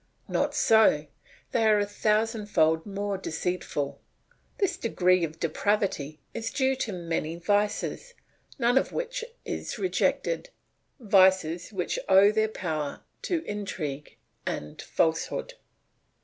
Not so, they are a thousandfold more deceitful. This degree of depravity is due to many vices, none of which is rejected, vices which owe their power to intrigue and falsehood.